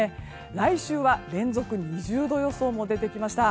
来週は連続２０度予想も出てきました。